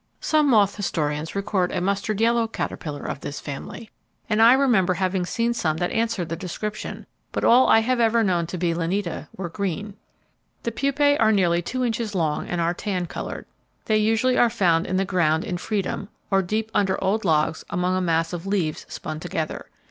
Some moth historians record a mustard yellow caterpillar of this family, and I remember having seen some that answer the description; but all I ever have known to be Lineata were green. The pupae are nearly two inches long and are tan coloured. They usually are found in the ground in freedom, or deep under old logs among a mass of leaves spun together.